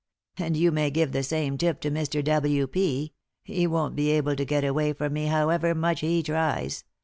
And you may give the same tip to Mr. W. F. — he won't be able to get away from me however much he tries.